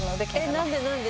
何で何で？